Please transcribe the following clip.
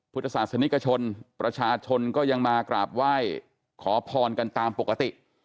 พุทธศาสนิกชนประชาชนก็ยังมากราบไหว้ขอพรกันตามปกติ